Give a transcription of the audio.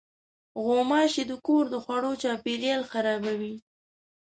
غوماشې د کور د خوړو چاپېریال خرابوي.